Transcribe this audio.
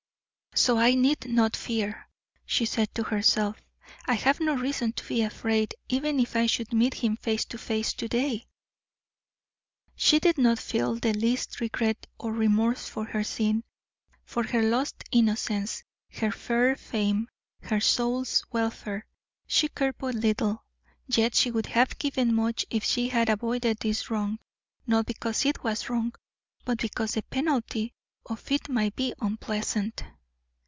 "So I need not fear," she said to herself. "I have no reason to be afraid, even if I should meet him face to face to day!" She did not feel the least regret or remorse for her sin. For her lost innocence, her fair fame, her soul's welfare, she cared but little yet she would have given much if she had avoided this wrong, not because it was wrong, but because the penalty of it might be unpleasant.